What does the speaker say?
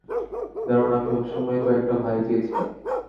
দারুণ, আমি সবসময়েই কয়েকটা ভাই চেয়েছিলাম।